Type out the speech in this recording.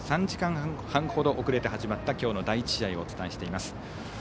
３時間半ほど遅れて始まった今日の第１試合をお伝えしています。